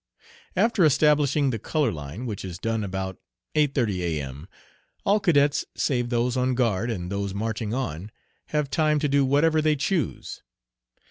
After establishing the "color line," which is done about 8.30 A.M., all cadets, save those on guard and those marching on, have time to do whatever they choose.